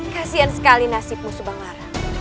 kasian sekali nasibmu subangara